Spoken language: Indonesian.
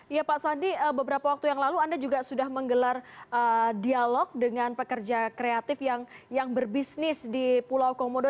ya pak sandi beberapa waktu yang lalu anda juga sudah menggelar dialog dengan pekerja kreatif yang berbisnis di pulau komodo